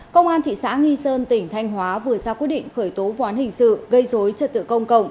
cơ quan thị xã nghi sơn tỉnh thanh hóa vừa ra quyết định khởi tố ván hình sự gây dối trật tự công cộng